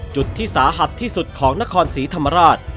จุดที่สาหัสที่สุดของนครศรีธรรมราช